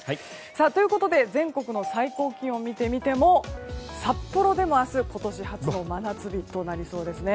ということで全国の最高気温を見てみても札幌では明日今年初の真夏日となりそうです。